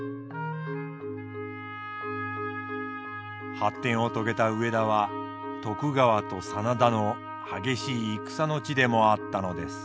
発展を遂げた上田は徳川と真田の激しい戦の地でもあったのです。